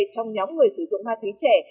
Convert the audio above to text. trong nhóm người sử dụng hoa thúy trẻ